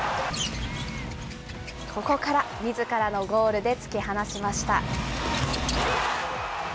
ここからみずからのゴールで突き放しました。